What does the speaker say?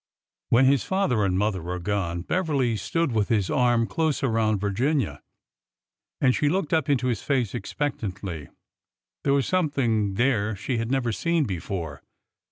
When his father and mother were gone, Beverly stood with his arm close about Virginia, and she looked up into his face expectantly. There was something there she had never seen before.